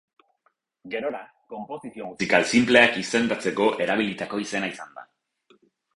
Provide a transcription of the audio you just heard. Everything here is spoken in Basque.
Gerora, konposizio musikal sinpleak izendatzeko erabilitako izena izan da.